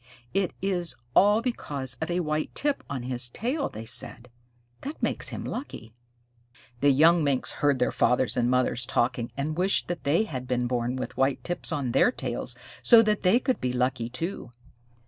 "It is all because of a white tip on his tail," they said. "That makes him lucky." The young Minks heard their fathers and mothers talking, and wished that they had been born with white tips on their tails so that they could be lucky too.